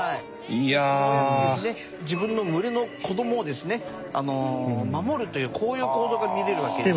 こうやってですね自分の群れの子どもをですね守るというこういう行動が見られるわけですね。